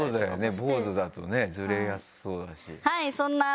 坊主だとねずれやすそうだし。